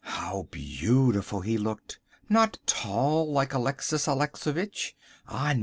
How beautiful he looked! Not tall like Alexis Alexovitch, ah, no!